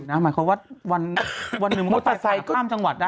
หมายความว่าวันหนึ่งมอเตอร์ไซค์ข้ามจังหวัดได้